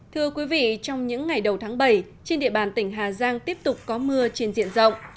thưa quý vị trong những ngày đầu tháng bảy trên địa bàn tỉnh hà giang tiếp tục có mưa trên diện rộng